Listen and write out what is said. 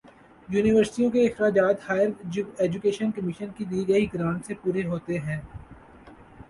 یونیورسٹیوں کے اخراجات ہائیر ایجوکیشن کمیشن کی دی گئی گرانٹ سے پورے ہوتے ہیں۔